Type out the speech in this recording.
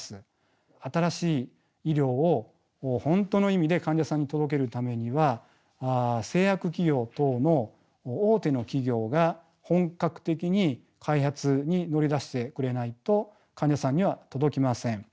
新しい医療を本当の意味で患者さんに届けるためには製薬企業等の大手の企業が本格的に開発に乗り出してくれないと患者さんには届きません。